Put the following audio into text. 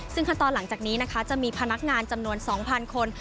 ซึ่งขั้นตอนหลังจากนี้นะคะจะมีพนักงานจำนวน๒๐๐คน